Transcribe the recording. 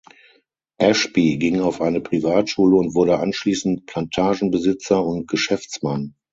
Ashby ging auf eine Privatschule und wurde anschließend Plantagenbesitzer und Geschäftsmann.